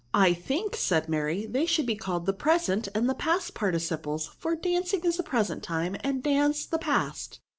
*' I think," said Mary, " they should be called the present and the past participles; for ^ancing is the present time, and danced the past.